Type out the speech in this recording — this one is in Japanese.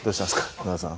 野田さん。